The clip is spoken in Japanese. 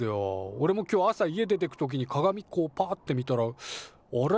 おれも今日朝家出てく時に鏡こうパッて見たら「あれ？